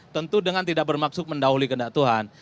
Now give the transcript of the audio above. tentu dengan tidak bermaksud mendahului kendak tuhan